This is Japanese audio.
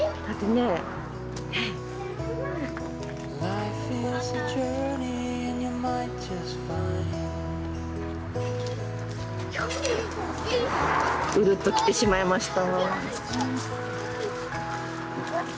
いやうるっときてしまいました。